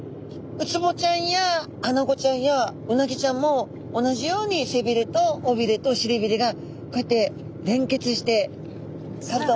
ウツボちゃんやアナゴちゃんやウナギちゃんも同じように背びれと尾びれとしりびれがこうやって連結して背中を覆ってる感じですね。